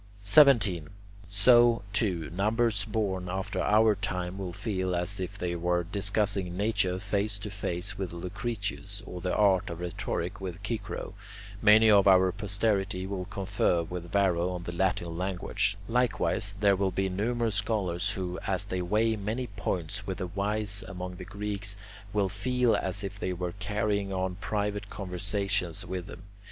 17. So, too, numbers born after our time will feel as if they were discussing nature face to face with Lucretius, or the art of rhetoric with Cicero; many of our posterity will confer with Varro on the Latin language; likewise, there will be numerous scholars who, as they weigh many points with the wise among the Greeks, will feel as if they were carrying on private conversations with them.